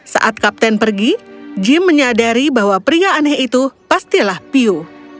saat kapten pergi jim menyadari bahwa pria aneh itu pastilah piu